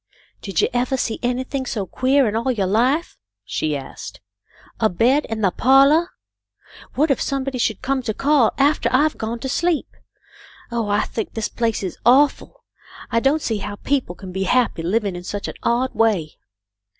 " Did you evah see anything so queah in all yo' life ?" she asked. " A bed in the pahlah ! What if some body should come to call aftah I've gone to sleep. Oh, I think this place is awful ! I don't see how people can be happy, living in such an odd way."